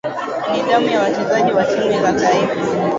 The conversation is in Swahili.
ni nidhamu za wachezaji wa timu za taifa